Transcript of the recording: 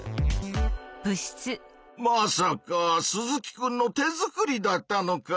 まさか鈴木くんの手作りだったのか。